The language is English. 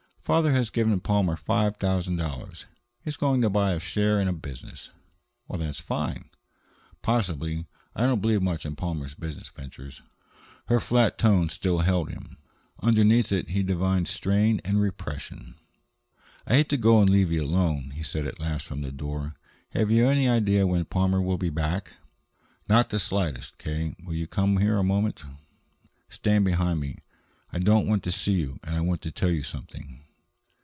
"Father has given Palmer five thousand dollars. He's going to buy a share in a business." "That's fine." "Possibly. I don't believe much in Palmer's business ventures." Her flat tone still held him. Underneath it he divined strain and repression. "I hate to go and leave you alone," he said at last from the door. "Have you any idea when Palmer will be back?" "Not the slightest. K., will you come here a moment? Stand behind me; I don't want to see you, and I want to tell you something."